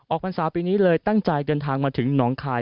พรรษาปีนี้เลยตั้งใจเดินทางมาถึงหนองคาย